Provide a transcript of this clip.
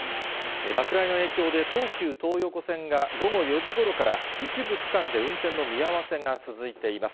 落雷の影響で、東急東横線が午後４時ごろから一部区間で運転の見合わせが続いています。